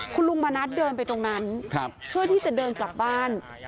คุณลุงมณัฐเดินไปตรงนั้นเพื่อที่จะเดินกลับบ้าน